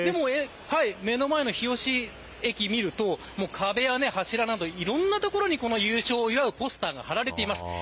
目の前の日吉駅を見ると壁や柱などいろんな所に優勝を祝うポスターが掲げられています。